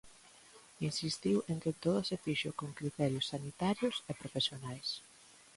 Insistiu en que todo se fixo con criterios sanitarios e profesionais.